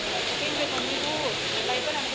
ไม่ใช่คิกก็รู้นิสัยคิกอยู่ไหม